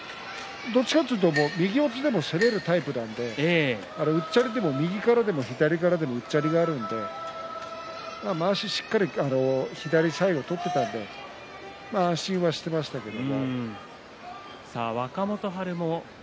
どちらかというと右四つでも攻めるタイプなのでうっちゃりでも右からでも左からでもうっちゃりがありますからまわしをしっかりと左右取っていたら安心はしていましたけど。